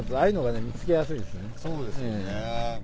そうですよね。